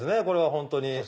これは本当に。